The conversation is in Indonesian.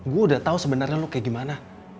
gue udah tau sebenarnya lu kayak gimana